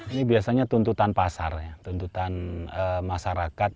ini biasanya tuntutan pasar ya tuntutan masyarakat